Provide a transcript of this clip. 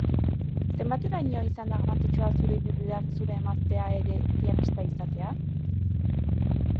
Zenbateraino izan da garrantzitsua zure ibilbidean zure emaztea ere pianista izatea?